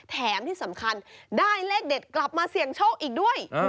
แถมที่สำคัญได้เลขเด็ดกลับมาเสี่ยงโชคอีกด้วย